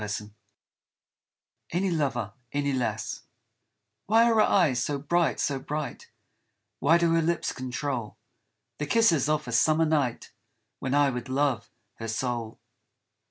70 ANY LOVER, ANY LASS WHY are her eyes so bright, so bright, Why do her lips control The kisses of a summer night, When I would love her soul